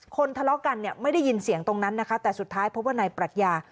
ทะเลาะกันเนี่ยไม่ได้ยินเสียงตรงนั้นนะคะแต่สุดท้ายพบว่านายปรัชญา